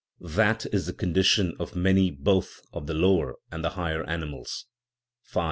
That is the condition of many both of the lower and the higher animals. V.